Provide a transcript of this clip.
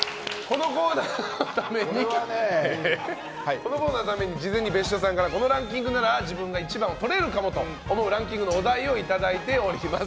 このコーナーのために事前に別所さんからこのランキングなら自分がいちばんをとれるかもと思うランキングのお題をいただいております。